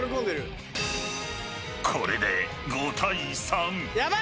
［これで５対３］